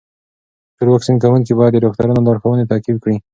ټول واکسین کوونکي باید د ډاکټرانو لارښوونې تعقیب کړي.